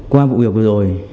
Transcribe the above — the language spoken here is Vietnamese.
qua vụ việc vừa rồi